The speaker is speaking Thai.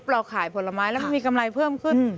เราขายผลไม้แล้วมันมีกำไรเพิ่มขึ้น